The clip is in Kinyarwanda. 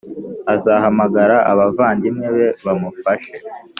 azahamagare abavandimwe be bamufashe.